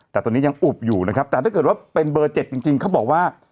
แต่ตอนนี้ยังอุบอยู่นะครับแต่ถ้าเกิดว่าเป็นเบอร์๗จริงเขาบอกว่า